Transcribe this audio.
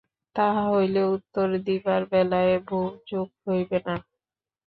তাহা হইলে উত্তর দিবার বেলায় ভুলচুক হইবে না।